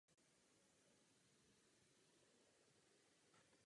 Styky se Spojenci udržovalo knížectví přes Švýcarsko.